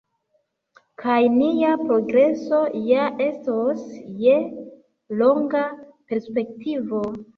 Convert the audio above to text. Kaj nia progreso ja estos je longa perspektivo.